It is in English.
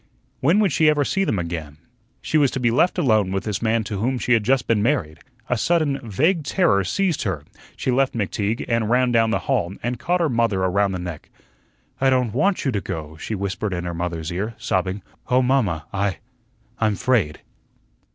When would she ever see them again? She was to be left alone with this man to whom she had just been married. A sudden vague terror seized her; she left McTeague and ran down the hall and caught her mother around the neck. "I don't WANT you to go," she whispered in her mother's ear, sobbing. "Oh, mamma, I I'm 'fraid."